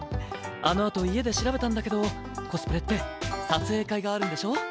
あのあと家で調べたんだけどコスプレって撮影会があるんでしょ？